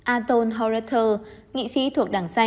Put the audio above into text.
anton horatel nghị sĩ thuộc đảng xanh